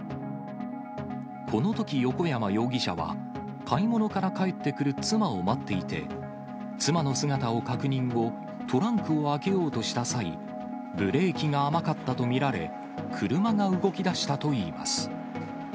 このとき、横山容疑者は買い物から帰ってくる妻を待っていて、妻の姿を確認後、トランクを開けようとした際、ブレーキが甘かったと見られ、車が動きだしたといいます。